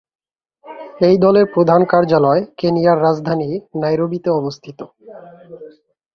এই দলের প্রধান কার্যালয় কেনিয়ার রাজধানী নাইরোবিতে অবস্থিত।